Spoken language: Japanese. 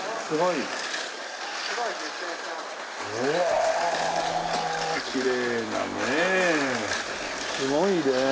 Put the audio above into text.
すごいね。